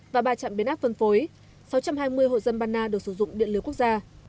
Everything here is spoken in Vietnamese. và ba trạm biến áp phân phối sáu trăm hai mươi hộ dân banna được sử dụng điện lưới quốc gia